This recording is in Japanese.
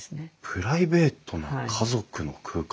プライベートな家族の空間？